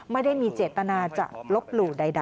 ไม่ได้มีเจตนาจะลบหลู่ใด